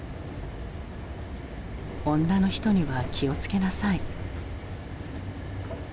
「女の人には気を付けなさい」。